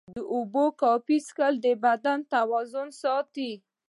د اوبو کافي څښل د بدن توازن ساتي.